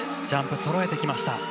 ジャンプそろえました。